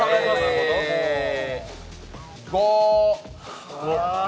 ５。